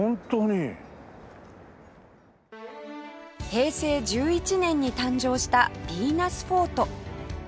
平成１１年に誕生したヴィーナスフォート